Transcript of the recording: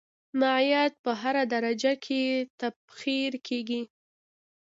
مایعات په هره درجه کې تبخیر کیږي.